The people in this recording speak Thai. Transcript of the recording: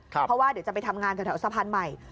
เพราะว่าเดี๋ยวจะไปทำงานแถวสะพานใหม่